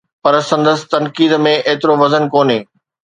پر سندس تنقيد ۾ ايترو وزن ڪونهي.